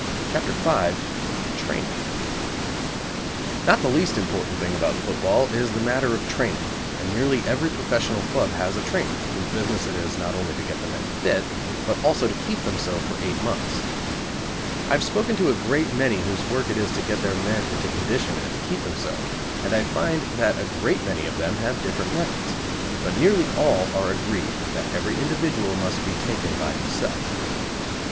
[Illustration: CENTRING FROM THE RIGHT WING.] CHAPTER V. Training. Not the least important thing about football is the matter of training, and nearly every professional club has a trainer, whose business it is not only to get the men fit, but also to keep them so for eight months. I have spoken to a great many whose work it is to get their men into condition and keep them so, and I find that a great many of them have different methods, but nearly all are agreed that every individual must be taken by himself.